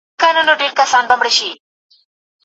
لور او زوی دواړه د الله ډالۍ دي.